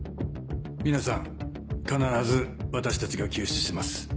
皆さん必ず私たちが救出します。